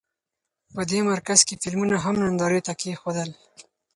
په دې مرکز کې فلمونه هم نندارې ته کېښودل.